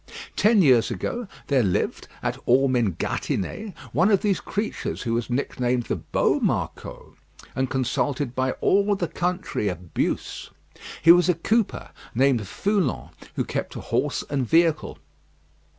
Ten years ago there lived, at Ormes in Gâtinais, one of these creatures who was nicknamed the Beau Marcou, and consulted by all the country of Beauce. He was a cooper, named Foulon, who kept a horse and vehicle.